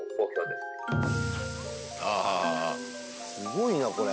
すごいなこれ。